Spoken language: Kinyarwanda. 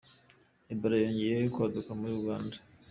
Ebola yongeye kwaduka muri Uganda